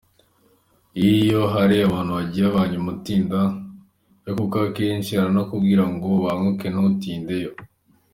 Nkiyo hari ahantu wagiye abayumva utatinda yo kuko akenshi aranakubwira ngo ubanguke ntutinde yo.